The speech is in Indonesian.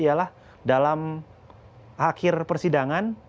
ialah dalam akhir persidangan